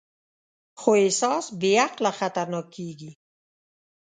خو احساس بېعقله خطرناک کېږي.